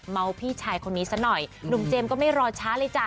พี่ชายคนนี้ซะหน่อยหนุ่มเจมส์ก็ไม่รอช้าเลยจ้ะ